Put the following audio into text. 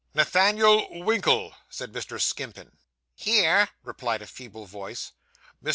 'Nathaniel Winkle!' said Mr. Skimpin. 'Here!' replied a feeble voice. Mr.